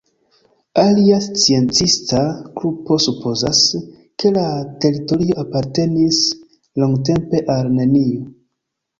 Alia sciencista grupo supozas, ke la teritorio apartenis longtempe al neniu.